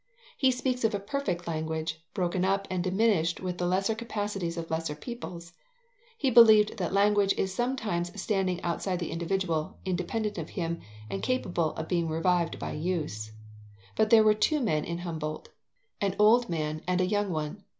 He speaks of a perfect language, broken up and diminished with the lesser capacities of lesser peoples. He believed that language is something standing outside the individual, independent of him, and capable of being revived by use. But there were two men in Humboldt, an old man and a young one.